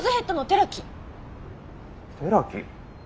寺木？